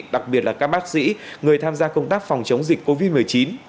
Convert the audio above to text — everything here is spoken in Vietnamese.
đặc biệt là các bác sĩ người tham gia công tác phòng chống dịch covid một mươi chín